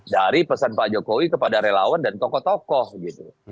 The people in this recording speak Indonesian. dari pesan pak jokowi kepada relawan dan tokoh tokoh gitu